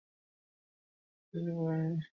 তোমার ভাবনায় না থাকতে পারলে কোথায় যাব আমি?